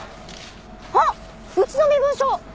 あっうちの身分証！